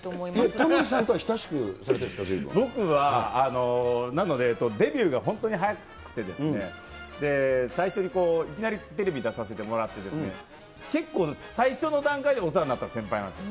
タモリさんとは親しくされて僕はなので、デビューが本当に早くて、最初にいきなりテレビに出させてもらって、結構、最初の段階でお世話になった先輩なんですよ。